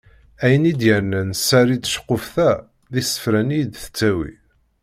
Ayen i d-yernan sser i tceqquft-a, d isefra-nni i d-tettawi.